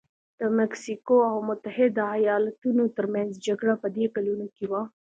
د مکسیکو او متحده ایالتونو ترمنځ جګړه په دې کلونو کې وه.